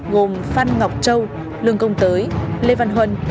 gồm phan ngọc châu lương công tới lê văn huân